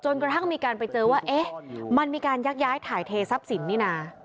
กระทั่งมีการไปเจอว่าเอ๊ะมันมีการยักย้ายถ่ายเททรัพย์สินนี่นะ